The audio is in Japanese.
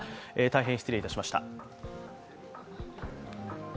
大変失礼いたしました。